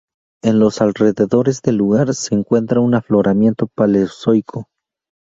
En los alrededores del lugar, se encuentra un afloramiento paleozoico.